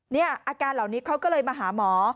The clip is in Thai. นี่อาการเหล่านี้เขาก็เลยมาหาหมอ